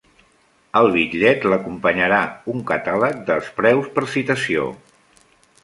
Al bitllet l'acompanyarà un catàleg dels preus per citació.